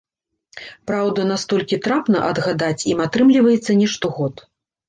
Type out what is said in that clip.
Праўда, настолькі трапна адгадаць ім атрымліваецца не штогод.